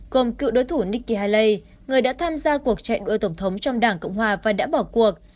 gồm cựu đối thủ nikki haley người đã tham gia cuộc chạy đua tổng thống trong đảng cộng hòa và đã bỏ cuộc